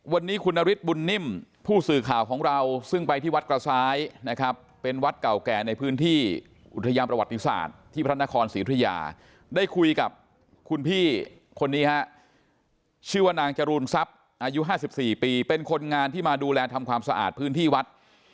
วันนี้คุณนฤทธิบุญนิ่มผู้สื่อข่าวของเราซึ่งไปที่วัดกระซ้ายนะครับเป็นวัดเก่าแก่ในพื้นที่อุทยานประวัติศาสตร์ที่พระนครศรีธุยาได้คุยกับคุณพี่คนนี้ฮะชื่อว่านางจรูนทรัพย์อายุ๕๔ปีเป็นคนงานที่มาดูแลทำความสะอาดพื้นที่วัด